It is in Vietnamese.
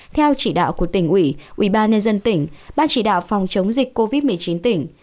theo chỉ đạo của tỉnh ủy ủy ban nhân dân tỉnh ban chỉ đạo phòng chống dịch covid một mươi chín tỉnh